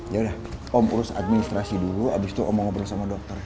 yaudah om urus administrasi dulu abis itu om mau ngobrol sama dokter